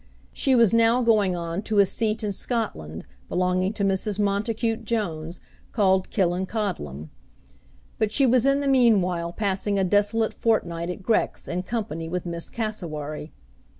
She was now going on to a seat in Scotland belonging to Mrs. Montacute Jones called Killancodlem; but she was in the meanwhile passing a desolate fortnight at Grex in company with Miss Cassewary.